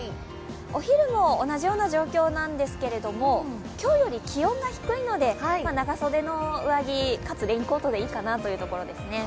お昼も同じような状況なんですけれども、今日より気温が低いので長袖の上着、かつレインコートでいいかなというところですね。